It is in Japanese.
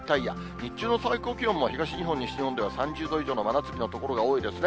日中の最高気温も、東日本、西日本では３０度以上の真夏日の所が多いですね。